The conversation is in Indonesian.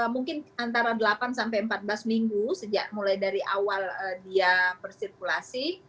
mungkin antara delapan sampai empat belas minggu mulai dari awal dia bersirkulasi